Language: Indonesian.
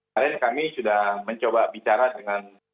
karena kami sudah mencoba bicara dengan